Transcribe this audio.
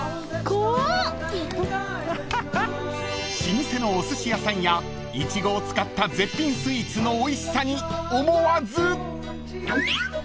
［老舗のおすし屋さんやイチゴを使った絶品スイーツのおいしさに思わず］